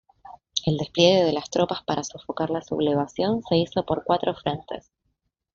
El despliegue de las tropas para sofocar la sublevación se hizo por cuatro frentes.